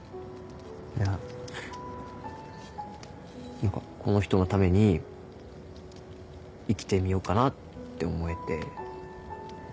いや何かこの人のために生きてみようかなって思えて。